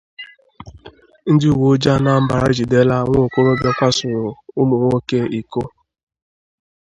Ndị Uweojii Anambra Ejidela Nwokorobịa Kwasoro Ụmụnwoke Iko